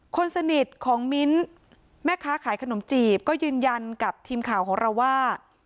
คนสนิทของมิ้นแม่ค้าขายขนมจีบก็ยืนยันกับทีมข่าวของเราว่า